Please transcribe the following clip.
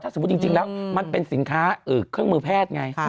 สมมุติจริงแล้วมันเป็นสินค้าเครื่องมือแพทย์ไง